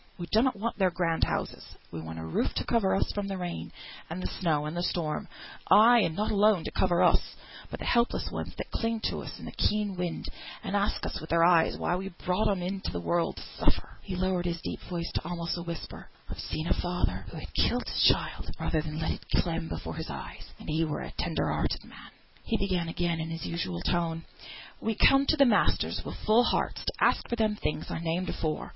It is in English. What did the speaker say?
We donnot want their grand houses, we want a roof to cover us from the rain, and the snow, and the storm; ay, and not alone to cover us, but the helpless ones that cling to us in the keen wind, and ask us with their eyes why we brought 'em into th' world to suffer?" He lowered his deep voice almost to a whisper. "I've seen a father who had killed his child rather than let it clem before his eyes; and he were a tender hearted man." He began again in his usual tone. "We come to th' masters wi' full hearts, to ask for them things I named afore.